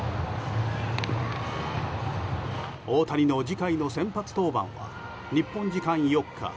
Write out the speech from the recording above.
大谷の次回の先発登板は日本時間４日。